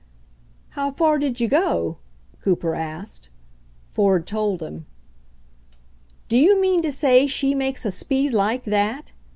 "How far did you go?" Cooper asked. Ford told him. "Do you mean to say she makes a speed like that?"